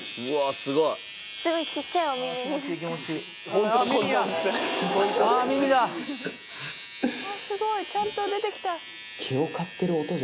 すごいちゃんと出て来た。